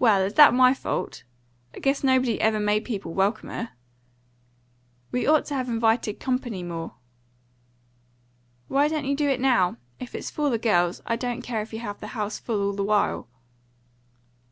"Well, is that my fault? I guess nobody ever makes people welcomer." "We ought to have invited company more." "Why don't you do it now? If it's for the girls, I don't care if you have the house full all the while."